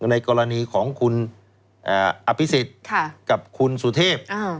ในกรณีของคุณอภิสิทธิ์กับคุณสุเทพฯ